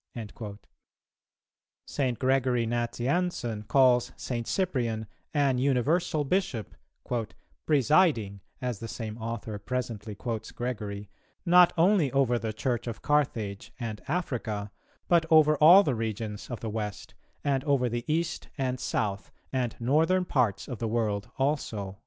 "[266:1] St. Gregory Nazianzen calls St. Cyprian an universal Bishop, "presiding," as the same author presently quotes Gregory, "not only over the Church of Carthage and Africa, but over all the regions of the West, and over the East, and South, and Northern parts of the world also."